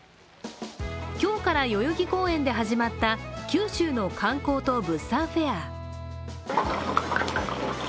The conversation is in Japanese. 今日から代々木公園で始まった九州の観光と物産フェア。